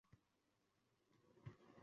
Gul yuzingda g’am ko’lankasi